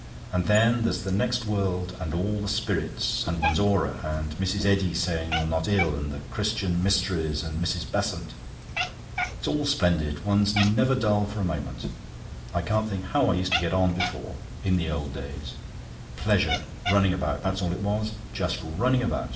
"And then there's the next world and all the spirits, and one's Aura, and Mrs. Eddy and saying you're not ill, and the Christian Mysteries and Mrs. Besant. It's all splendid. One's never dull for a moment. I can't think how I used to get on before in the Old Days. Pleasure running about, that's all it was; just running about.